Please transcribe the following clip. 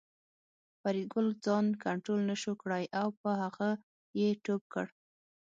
فریدګل ځان کنترول نشو کړای او په هغه یې ټوپ کړ